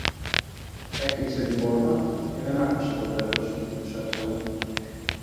Έκλεισε την πόρτα, και δεν άκουσα το τέλος, τι τους έψαλε